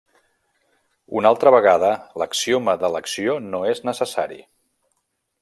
Una altra vegada, l'axioma d'elecció no és necessari.